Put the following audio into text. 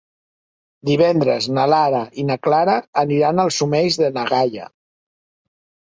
Divendres na Lara i na Clara aniran als Omells de na Gaia.